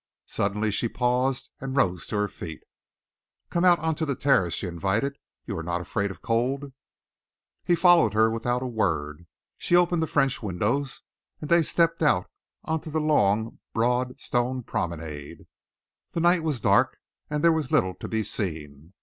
Suddenly she paused and rose to her feet. "Come out on to the terrace," she invited. "You are not afraid of cold?" He followed her without a word. She opened the French windows, and they stepped out on to the long, broad stone promenade. The night was dark, and there was little to be seen.